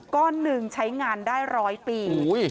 ก้อนหนึ่งใช้งานได้๑๐๐ปี